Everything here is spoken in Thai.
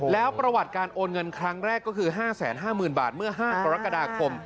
แล้วประวัติการโอนเงินครั้งแรกก็คือ๕๕๐๐๐บาทเมื่อ๕กรกฎาคม